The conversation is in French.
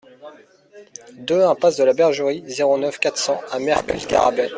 deux impasse de la Bergerie, zéro neuf, quatre cents à Mercus-Garrabet